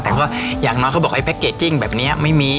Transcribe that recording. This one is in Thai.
แต่ก็อย่างน้อยเขาบอกไอ้แพ็กเกจจิ้งแบบนี้ไม่มี